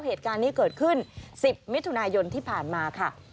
เหตุการณ์นี้เกิดขึ้น๑๐มิถุนายนที่ผ่านมาค่ะ